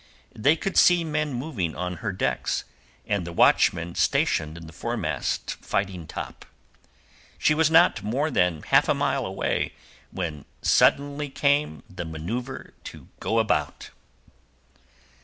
They could see men moving on her decks, and the watchman stationed in the foremast fighting top. She was not more than half a mile away when suddenly came the manceuvre to go about.